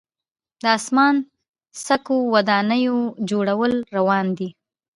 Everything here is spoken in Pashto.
د اسمان څکو ودانیو جوړول روان دي.